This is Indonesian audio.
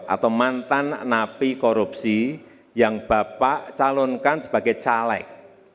atau mantan napi korupsi yang bapak calonkan sebagai caleg